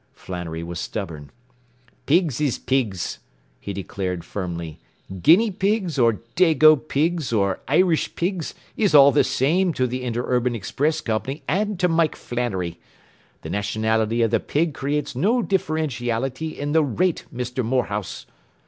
” Flannery was stubborn. “Pigs is pigs,” he declared firmly. “Guinea pigs, or dago pigs or Irish pigs is all the same to the Interurban Express Company an' to Mike Flannery. Th' nationality of the pig creates no differentiality in the rate, Misther Morehouse!